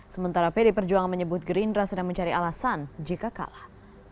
sementara pd perjuangan menyebut gerindra sedang mencari alasan jika kalah